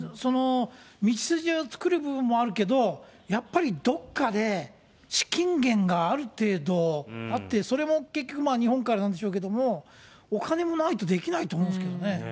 道筋を作る部分もあるけど、やっぱりどっかで資金源がある程度あって、それも結局日本からなんでしょうけれども、お金もないとできないと思うんですけどね。